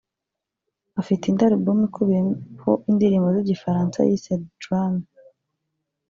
Afite indi album ikubiyeho indirimbo z’Igifaransa yise ‘Drame’